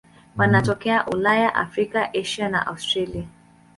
Wanatokea Ulaya, Afrika, Asia na Australia.